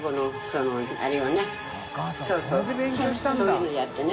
譴気それで勉強したんだ。